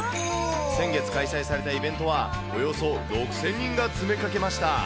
先月開催されたイベントは、およそ６０００人が詰めかけました。